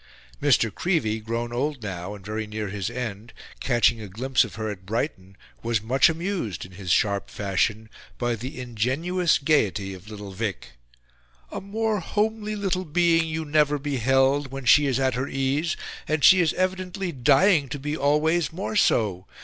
Mr. Creevey, grown old now, and very near his end, catching a glimpse of her at Brighton, was much amused, in his sharp fashion, by the ingenuous gaiety of "little Vic." "A more homely little being you never beheld, when she is at her ease, and she is evidently dying to be always more so.